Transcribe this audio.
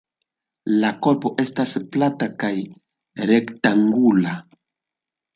La korpo estas plata kaj rektangula.